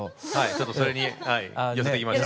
ちょっとそれに寄せてきました。